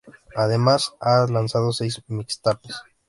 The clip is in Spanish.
Además, ha lanzado seis "mixtapes".